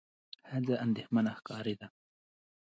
ښځه اندېښمنه ښکارېده.